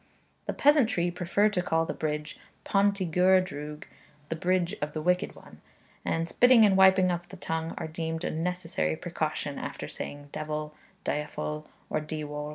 The peasantry prefer to call the bridge 'Pont y Gwr Drwg,' the Bridge of the Wicked One; and spitting and wiping off the tongue are deemed a necessary precaution after saying devil, diafol, or diawl.